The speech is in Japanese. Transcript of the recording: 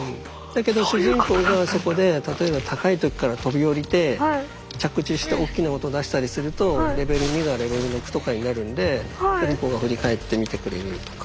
だけど主人公がそこで例えば高いとこから飛び降りて着地しておっきな音出したりするとレベル２がレベル６とかになるんでトリコが振り返って見てくれるとか。